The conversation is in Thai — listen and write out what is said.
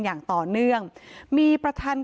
โจมตีรัฐบาล